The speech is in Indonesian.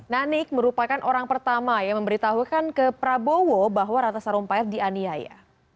nanik merupakan orang pertama yang memberitahukan ke prabowo bahwa ratna sarumpait dianiaya